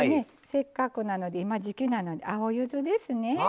せっかくなので今時期なので青ゆずですね。